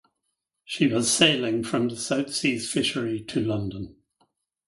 She was sailing from the South Seas fishery to London.